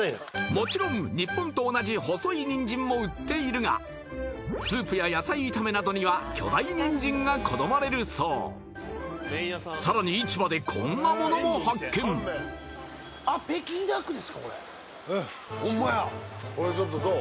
もちろん日本と同じ細いニンジンも売っているがスープや野菜炒めなどには巨大ニンジンが好まれるそうさらに市場でこんなものも発見ホンマやこれちょっとどう？